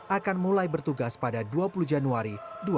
akan mulai bertugas pada dua puluh januari dua ribu dua puluh